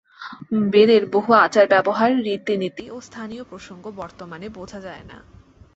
বেদের বহু আচার-ব্যবহার, রীতি-নীতি ও স্থানীয় প্রসঙ্গ বর্তমানে বোঝা যায় না।